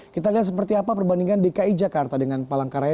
kita lihat seperti apa perbandingan dki jakarta dengan palangkaraya